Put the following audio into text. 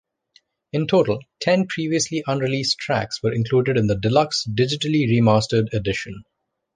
In total, ten previously unreleased tracks were included in the deluxe, digitally remastered edition.